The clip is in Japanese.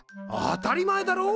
当たり前だろ。